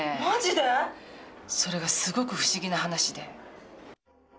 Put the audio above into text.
マジで⁉それがすごく不思議な話で。